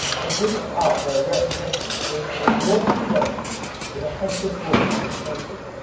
In Buddhist art they are represented as beings of enormous strength, with the heads of bulls and of horses.